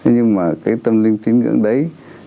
nhưng mà cái tâm linh tín ngưỡng đấy